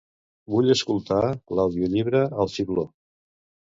Vull escoltar l'audiollibre "El Fibló".